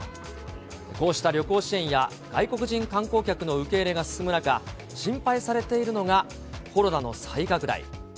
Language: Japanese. こうした旅行支援や外国人観光客の受け入れが進む中、心配されているのが、コロナの再拡大。